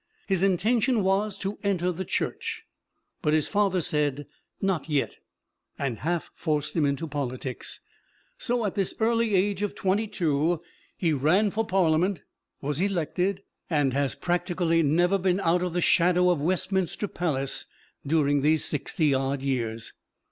His intention was to enter the Church, but his father said, "Not yet," and half forced him into politics. So, at this early age of twenty two, he ran for Parliament, was elected, and has practically never been out of the shadow of Westminster Palace during these sixty odd years.